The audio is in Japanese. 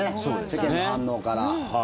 世間の反応から。